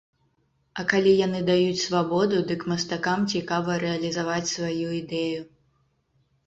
А калі яны даюць свабоду, дык мастакам цікава рэалізаваць сваю ідэю.